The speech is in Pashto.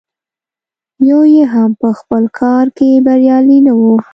یو یې هم په خپل کار کې بریالی نه و.